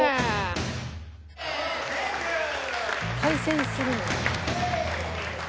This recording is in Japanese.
対戦するの？